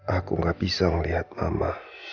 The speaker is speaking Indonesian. aku gak bisa melihat ama